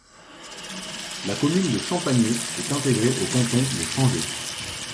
La commune de Champagné est intégrée au canton de Changé.